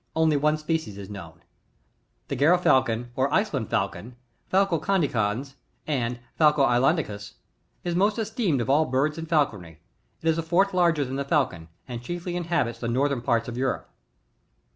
Only one species is known. 36. The Ger/afcoft^ or Iceland Fafcon, — Faico rancHcans, and Faico islandicusj — is most esteemed of all birds in itlcon ry. It is a fourth larger than the Falcon, and chiefly inhabits the northern parts of Europe.